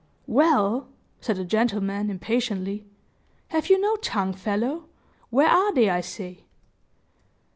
"Well!" said the gentleman, impatiently, "have you no tongue, fellow? Where are they, I say?"